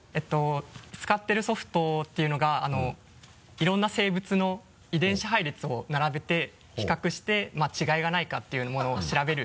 使ってるソフトっていうのがいろんな生物の遺伝子配列を並べて比較して違いがないかっていうものを調べる。